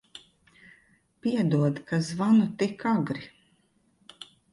Piedod, ka zvanu tik agri.